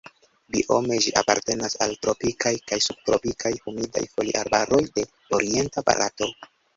Biome ĝi apartenas al tropikaj kaj subtropikaj humidaj foliarbaroj de orienta Barato.